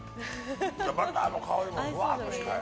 バターの香りもふわっとして。